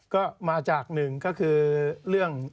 ก็มาจากหนึ่งก็คือเรื่อง